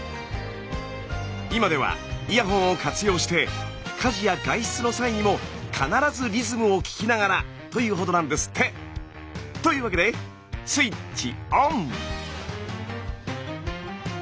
今ではイヤホンを活用して家事や外出の際にも必ずリズムを聴きながらというほどなんですって。というわけでスイッチ・オン！